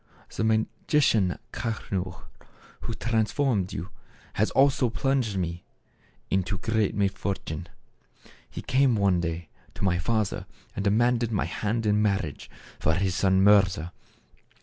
The magician Kaschnur who transformed you, has also plunged me into greater misfortune. " He came one day to my father and demanded my hand in marriage for his son Mirza.